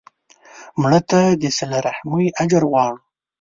مړه ته د صله رحمي اجر غواړو